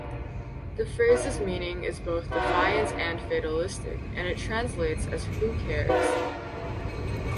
The phrase's meaning is both defiant and fatalistic, and it translates as Who cares?